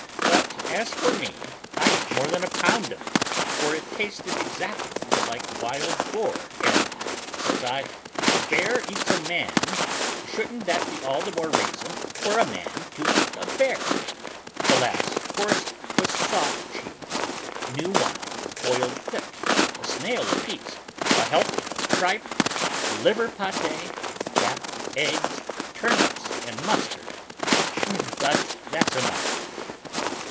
But as for me, I ate more than a pound of it, for it tasted exactly like wild boar and, says I, if a bear eats a man, shouldn't that be all the more reason for a man to eat a bear? The last course was soft cheese, new wine boiled thick, a snail apiece, a helping of tripe, liver pate, capped eggs, turnips and mustard. But that's enough.